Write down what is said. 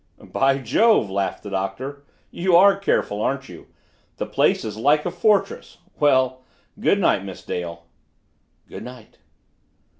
"By Jove!" laughed the Doctor, "you are careful, aren't you! The place is like a fortress! Well good night, Miss Dale " "Good night."